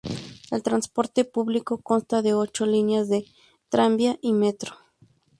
El transporte público consta de ocho líneas de tranvía y metro.